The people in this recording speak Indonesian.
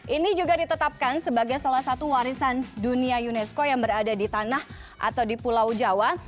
ini juga ditetapkan sebagai salah satu warisan dunia unesco yang berada di tanah atau di pulau jawa